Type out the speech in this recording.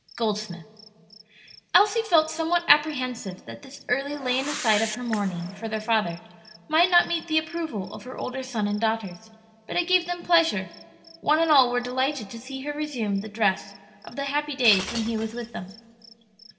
Goldsmith. Elsie felt somewhat apprehensive that this early laying aside of her mourning for their father might not meet the approval of her older son and daughters; but it gave them pleasure; one and all were delighted to see her resume the dress of the happy days when he was with them.